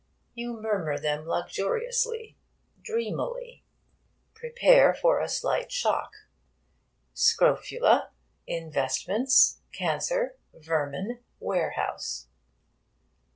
You murmur them luxuriously, dreamily. Prepare for a slight shock. Scrofula, investments, cancer, vermin, warehouse.